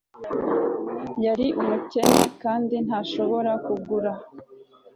Yari umukene kandi ntashobora kugura